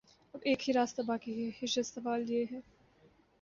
اب ایک ہی راستہ باقی ہے: ہجرت سوال یہ ہے